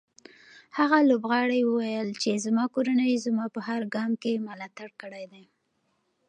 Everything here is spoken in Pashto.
هغه لوبغاړی وویل چې زما کورنۍ زما په هر ګام کې ملاتړ کړی دی.